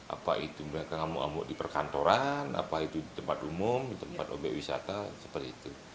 apa itu mereka ngamuk ngamuk di perkantoran apa itu di tempat umum di tempat objek wisata seperti itu